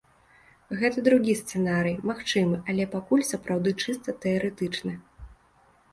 Гэта другі сцэнарый, магчымы, але пакуль сапраўды чыста тэарэтычны.